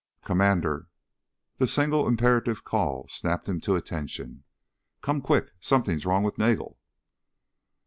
"Commander." The single imperative call snapped him to attention. "Come quick. Something's wrong with Nagel!"